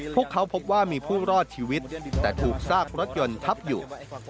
พวกเขาพบว่ามีผู้รอดชีวิตแต่ถูกซากรถยนต์ทับอยู่